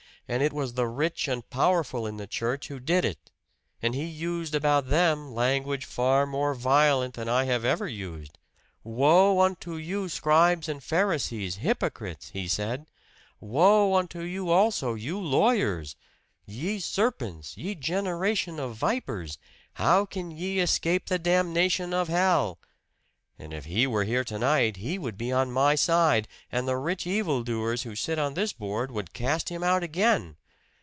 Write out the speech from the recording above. "And it was the rich and powerful in the church who did it. And he used about them language far more violent than I have ever used. 'Woe unto you, scribes and pharisees, hypocrites!' he said. 'Woe unto you also, you lawyers! Ye serpents, ye generation of vipers, how can ye escape the damnation of hell?' And if He were here tonight He would be on my side and the rich evil doers who sit on this board would cast Him out again!